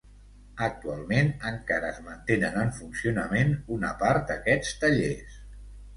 Actualment, encara es mantenen en funcionament una part d'aquests tallers.